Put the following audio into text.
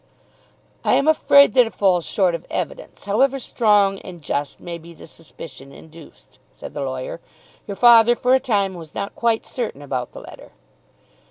"I am afraid that it falls short of evidence, however strong and just may be the suspicion induced," said the lawyer. "Your father for a time was not quite certain about the letter."